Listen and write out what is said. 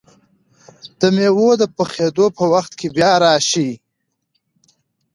د مېوو د پخېدو په وخت کې بیا راشئ!